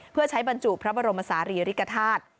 เพื่อใช้บรรจุพระบรมศาลีริกฐาตุ